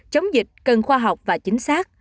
chống dịch cần khoa học và chính xác